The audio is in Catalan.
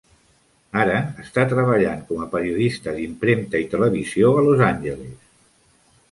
Ara està treballant com a periodista d'impremta i televisió a Los Angeles.